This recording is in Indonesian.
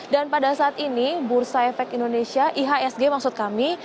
dan pada saat ini bursa efek indonesia ihsg maksud kami